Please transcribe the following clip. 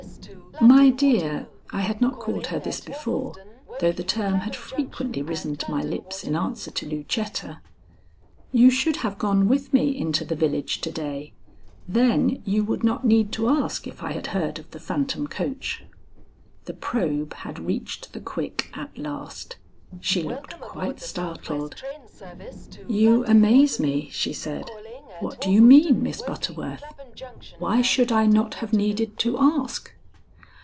"My dear," I had not called her this before, though the term had frequently risen to my lips in answer to Lucetta "you should have gone with me into the village to day. Then you would not need to ask if I had heard of the phantom coach." The probe had reached the quick at last. She looked quite startled. "You amaze me," she said. "What do you mean, Miss Butterworth? Why should I not have needed to ask?"